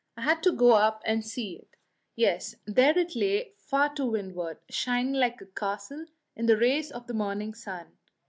I had to go up and see it. Yes, there it lay, far to windward, shining like a castle in the rays of the morning sun.